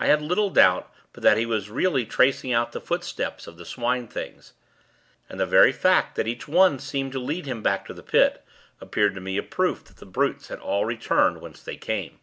I had little doubt but that he was really tracing out the footsteps of the Swine things; and the very fact that each one seemed to lead him back to the Pit, appeared to me, a proof that the brutes had all returned whence they came.